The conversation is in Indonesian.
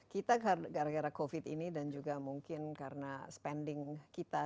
kita gara gara covid ini dan juga mungkin karena spending kita